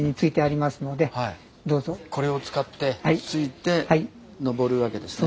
これを使ってついて登るわけですね。